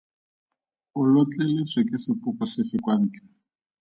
O lotleletswe ke sepoko sefe kwa ntle?